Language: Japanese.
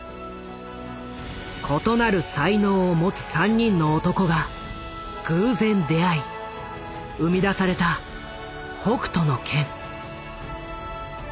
異なる才能を持つ３人の男が偶然出会い生み出された「北斗の拳」。